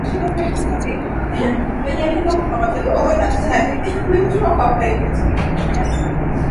Sekta nyingine ambazo huchangia kwenye uchumi wa Mkoa ni Mifugo Madini Uvuvi na Utalii